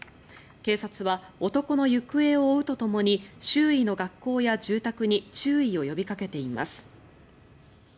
警察は男の行方を追うとともに周囲の学校や住宅に注意を呼びかけています。